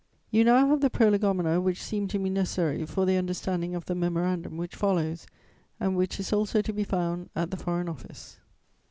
You now have the prolegomena which seemed to me necessary for the understanding of the Memorandum which follows, and which is also to be found at the Foreign Office.